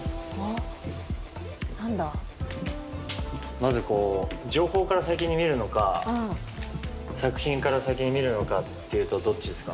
まずこう情報から先に見るのか作品から先に見るのかっていうとどっちですか？